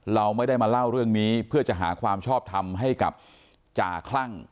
เราไม่ได้มาเล่าเรื่องนี้เพื่อจะหาความชอบทำให้กับจ่าคลั่ง